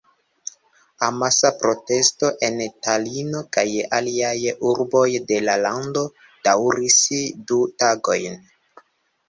Amasa protesto en Talino kaj aliaj urboj de la lando daŭris du tagojn.